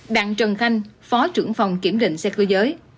đặng trần khanh phó trưởng phòng kiểm định xe cơ giới